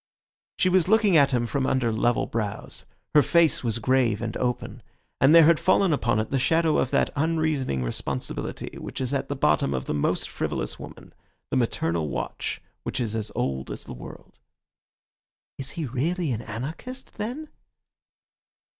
She was looking at him from under level brows; her face was grave and open, and there had fallen upon it the shadow of that unreasoning responsibility which is at the bottom of the most frivolous woman, the maternal watch which is as old as the world. "Is he really an anarchist, then?"